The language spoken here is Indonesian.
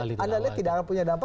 anda lihat tidak akan punya dampak